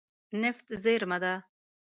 نفت زیرمه ده.